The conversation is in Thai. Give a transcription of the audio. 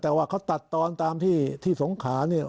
แต่ว่าเค้าตัดตอนตามที่ศูงค์คานี่